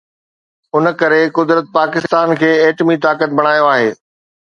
ان ڪري قدرت پاڪستان کي ايٽمي طاقت بڻايو آهي.